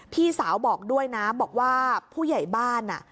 พี่สาวบอกด้วยนะบอกว่าผู้ใหญ่บ้าน